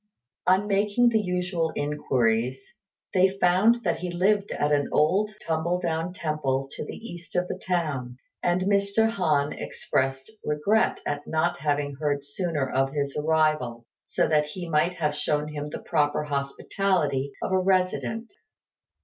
On making the usual inquiries, they found that he lived at an old tumble down temple to the east of the town, and Mr. Han expressed regret at not having heard sooner of his arrival, so that he might have shown him the proper hospitality of a resident.